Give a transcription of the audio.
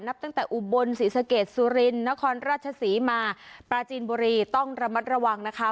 ตั้งแต่อุบลศรีสะเกดสุรินนครราชศรีมาปราจีนบุรีต้องระมัดระวังนะคะ